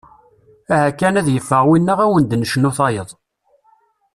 Aha kan ad yeffeɣ winna ad awen-d-necnu tayeḍ.